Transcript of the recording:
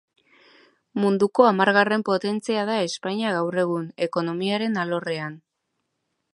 Munduko hamargarren potentzia da Espainia, gaur egun, ekonomiaren alorrean.